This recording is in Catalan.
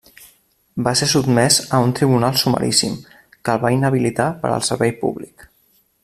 Va ser sotmès a un Tribunal Sumaríssim, que el va inhabilitar per al servei públic.